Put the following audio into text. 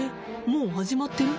もう始まってる？